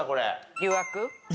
『誘惑』？